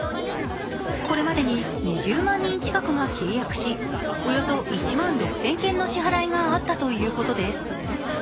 これまでに２０万人近くが契約しおよそ１万６０００件の支払いがあったということです。